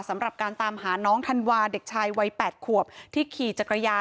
สำหรับการตามหาน้องธันวาเด็กชายวัย๘ขวบที่ขี่จักรยาน